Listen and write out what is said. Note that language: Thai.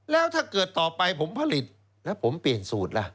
แล้วถ้าเกิดต่อไปผมผลิตแล้วผมเปลี่ยนสูตรล่ะ